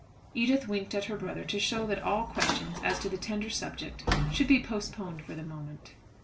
Edith winked at her brother to show that all questions as to the tender subject should be postponed for the moment.